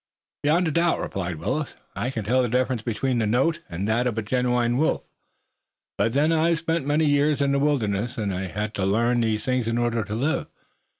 "Beyond a doubt," replied Willet. "I can tell the difference between the note and that of a genuine wolf, but then I've spent many years in the wilderness, and I had to learn these things in order to live.